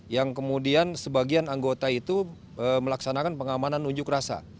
yang kemudian sebagian anggota itu melaksanakan pengamanan unjuk rasa